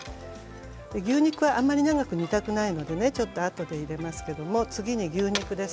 牛肉はあまり長く煮たくないのであとで入れますけど次に牛肉です。